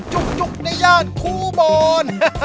จุกในย่านครูบอน